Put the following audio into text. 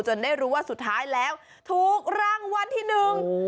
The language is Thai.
ได้รู้ว่าสุดท้ายแล้วถูกรางวัลที่หนึ่ง